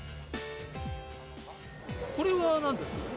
これはなんですか？